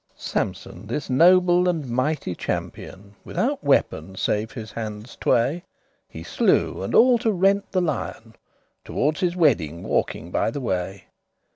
Sampson, this noble and mighty champion, Withoute weapon, save his handes tway, He slew and all to rente* the lion, *tore to pieces Toward his wedding walking by the way.